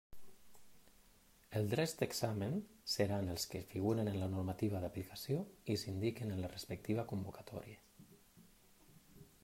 Els drets d'examen seran els que figuren en la normativa d'aplicació i s'indiquen en la respectiva convocatòria.